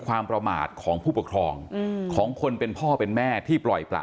ความประมาทของผู้ปกครองของคนเป็นพ่อเป็นแม่ที่ปล่อยประ